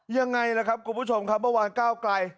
ยังไงล่ะครับคุณผู้ชมครับเมื่อวานก้าวไกล